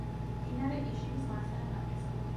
მდინარე იშიმის მარცხენა ნაპირზე.